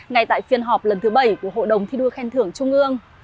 ngay tại phiên họp lần thứ bảy của hội đồng thi đua khen thưởng trung ương